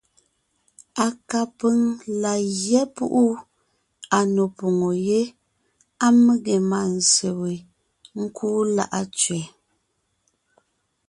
Kapʉ̀ŋ la gyɛ́ púʼu à nò poŋo yé á mege mânzse we ńkúu Láʼa Tsẅɛ.